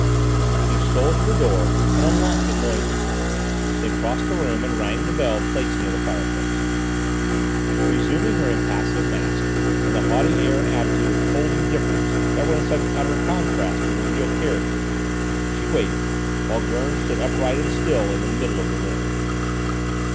She stole to the door and unlocked it noiselessly, then crossed the room and rang the bell placed near the fireplace. Resuming her impassive mask, and the haughty air and attitude of cold indifference that were in such utter contrast to her real character, she waited, while Gurn stood upright and still in the middle of the room.